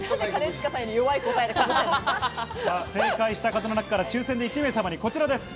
正解した方の中から抽選で１名様にこちらです。